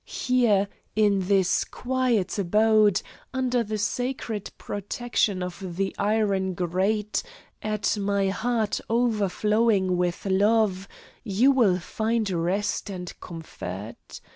Here, in this quiet abode, under the sacred protection of the iron grate, at my heart overflowing with love, you will find rest and comfort.